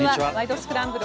スクランブル」